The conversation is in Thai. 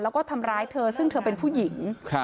แล้วก็ทำร้ายเธอซึ่งเธอเป็นผู้หญิง